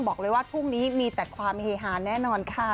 บอกเลยว่าพรุ่งนี้มีแต่ความเฮฮาแน่นอนค่ะ